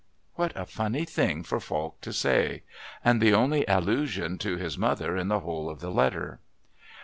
What a funny thing for Falk to say! and the only allusion to his mother in the whole of the letter.